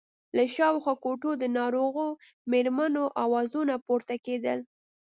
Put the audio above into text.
له شاوخوا کوټو د ناروغو مېرمنو آوازونه پورته کېدل.